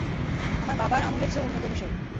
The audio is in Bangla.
আমার বাবার আমলের চেয়েও উন্নত মিশর।